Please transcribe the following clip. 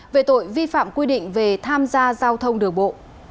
về tội vi phạm quy định về tham gia giao thông đường bộ